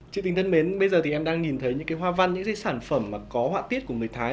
chị tình thân mến bây giờ thì em đang nhìn thấy những cái hòa văn những cái sản phẩm mà có hỏa tiết của người thái